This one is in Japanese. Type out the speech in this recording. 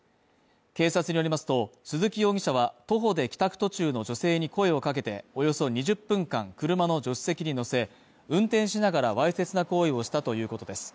警察によりますと、鈴木容疑者は徒歩で帰宅途中の女性に声をかけておよそ２０分間車の助手席に乗せ、運転しながらわいせつな行為をしたということです。